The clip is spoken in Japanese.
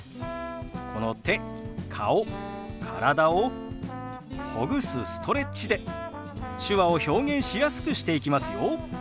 この手顔体をほぐすストレッチで手話を表現しやすくしていきますよ。